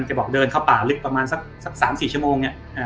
จะบอกเดินเข้าป่าลึกประมาณสัก๓๔ชั่วโมงเนี่ย